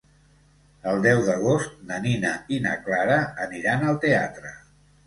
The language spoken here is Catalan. El deu d'agost na Nina i na Clara aniran al teatre.